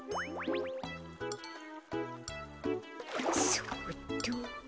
そっと。